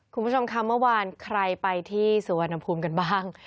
คุณผู้ชมค่ะเมื่อวานใครไปที่สุวรรณภูมิกันบ้าง